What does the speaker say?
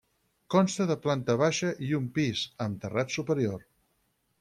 Consta de planta baixa i un pis, amb terrat superior.